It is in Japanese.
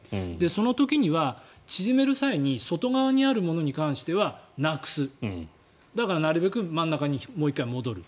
その時には縮める際に外側にあるものに関してはなくすだからなるべく真ん中に戻る。